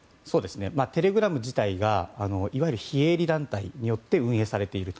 テレグラム自体がいわゆる非営利団体によって運営されていると。